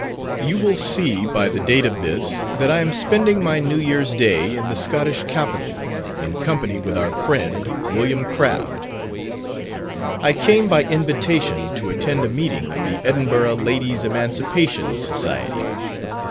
You will see by the date of this that I am spending my New Year's Day in the Scottish Capital, in company with our friend, William Craft. I came by invitation to attend a meeting of the Edinburgh Ladies' Emancipation Society.